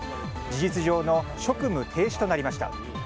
事実上の職務停止となりました。